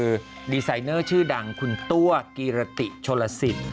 คือดีไซเนอร์ชื่อดังคุณตัวกีรติโชลสิทธิ์